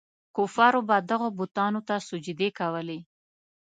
کفارو به دغو بتانو ته سجدې کولې.